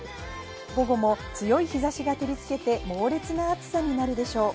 午後も強い日差しが照りつけて、猛烈な暑さになるでしょう。